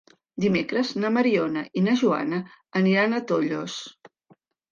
Dimecres na Mariona i na Joana aniran a Tollos.